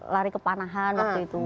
lari kepanahan waktu itu